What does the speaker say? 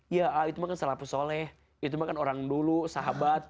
ya itu mah kan salafus soleh itu mah kan orang dulu sahabat